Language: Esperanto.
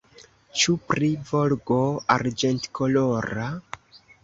Ĉu pri Volgo arĝentkolora?